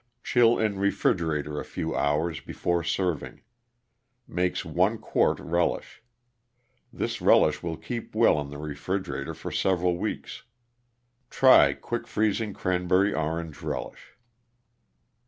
Chill in refrigerator a few hours before serving. Makes one quart relish. This relish will keep well in the refrigerator for several weeks. Try quick freezing Cranberry Orange Relish.